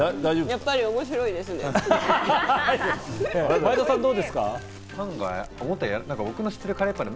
やっぱり面白いですね。